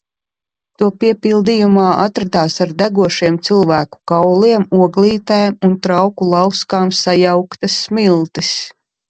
To pildījumā atradās ar degušiem cilvēku kauliem, oglītēm un trauku lauskām sajauktas smiltis.